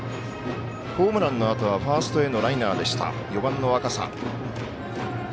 ホームランのあとはファーストへのライナーでした４番の若狭。